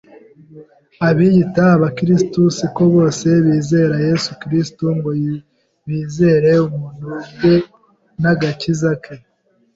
Abiyita Abakristo si ko bose bizera Yesu Kristo, ngo bizere ubuntu bwe n’agakiza ke